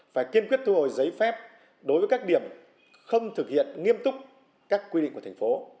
phải kiên quyết thu hồi giấy phép đối với các điểm không thực hiện nghiêm túc các quy định của thành phố